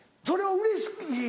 それはうれしい？